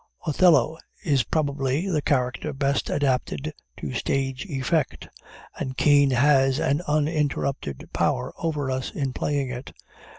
Othello is probably the character best adapted to stage effect, and Kean has an uninterrupted power over us in playing it.